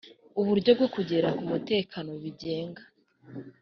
uburyo bwo kugera ku mutekano bigenga